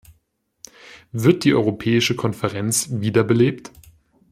Wird die Europäische Konferenz wiederbelebt?